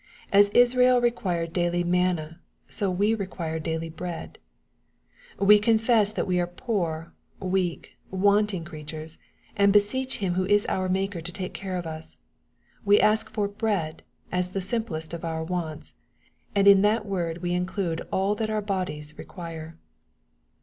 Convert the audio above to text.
As Israel required daily manna, so we require daily " bread." We confess that we are poor, weak, wanting creatures, and beseech Him who is our Maker to take care of us. Wc ask for " bread," as the simplest of our wants, and iu that word we include all that our bodies require.